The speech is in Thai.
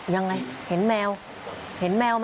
ยังไงเห็นแมวไหม